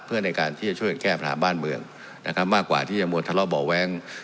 เพื่อในการที่จะช่วยแก้ปัญหาบ้านเมืองนะครับมากกว่าที่จะมวลทะเลาะเบาะแว้ง